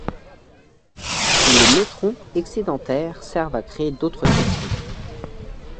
Les neutrons excédentaires servent à créer d'autres fissions.